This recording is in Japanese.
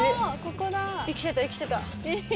生きてた生きてた。